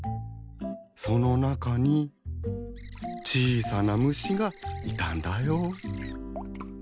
その中に小さな虫がいたんだよ。